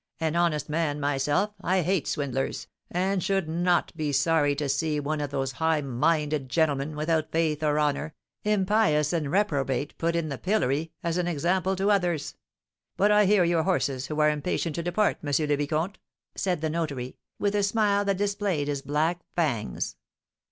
"An honest man myself, I hate swindlers, and should not be sorry to see one of those high minded gentlemen, without faith or honour, impious and reprobate, put in the pillory, as an example to others; but I hear your horses, who are impatient to depart, M. le Vicomte," said the notary, with a smile that displayed his black fangs.